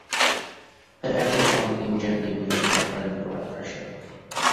They acted upon him gently with their own bright pressure.